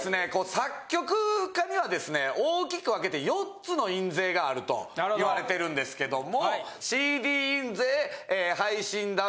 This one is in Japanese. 作曲家にはですね大きく分けて４つの印税があると言われてるんですけども。